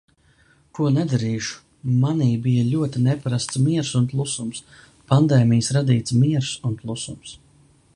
Ko nedarīšu, manī bija ļoti neparasts miers un klusums, pandēmijas radīts miers un klusums.